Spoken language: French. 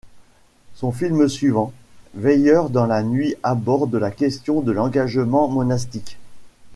Son film suivant, Veilleurs dans la nuit aborde la question de l’engagement monastique.